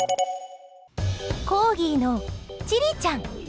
コーギーのチリちゃん。